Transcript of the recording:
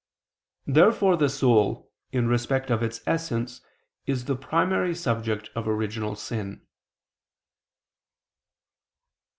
Therefore the soul, in respect of its essence, is the primary subject of original sin.